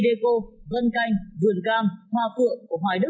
đây là khu đô thị đê cô vân canh vườn cam hoa cựa của hoài đức